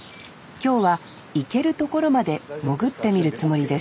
今日は行ける所まで潜ってみるつもりです